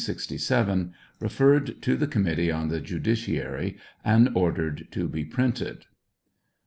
— Referred to the Committee on the Judiciary and ordered to be printed.